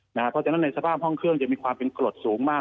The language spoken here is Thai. เพราะฉะนั้นในสภาพห้องเครื่องจะมีความเป็นกรดสูงมาก